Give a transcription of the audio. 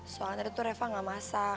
soalnya tadi tuh reva gak masak